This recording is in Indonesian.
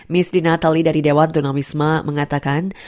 misdi natali dari dewan dunamisma mengatakan